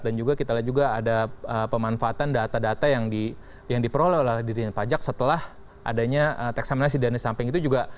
dan juga kita lihat juga ada pemanfaatan data data yang diperoleh oleh diri dan pajak setelah adanya tax amnesty dan disamping itu juga